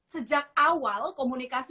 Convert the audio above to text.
sejak awal komunikasi